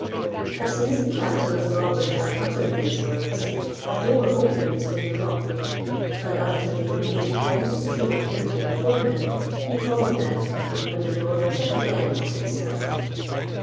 As soon as the captain of the robbers had uttered these words, a door opened in the rock; and after he had made all his troop enter before him, he followed them, when the door shut again of itself.